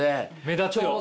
目立つよ。